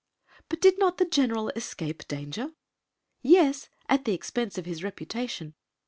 " But did not the general escape danger?" " Yes— at the expense of his reputation.